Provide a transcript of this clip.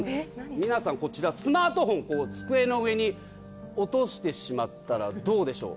皆さんこちらスマートフォン机の上に落としてしまったらどうでしょう？